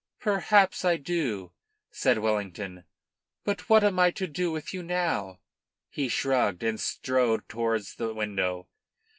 "Perhaps I do," said Wellington. "But what am I to do with you now?" He shrugged, and strode towards the window.